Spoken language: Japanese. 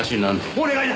お願いだ！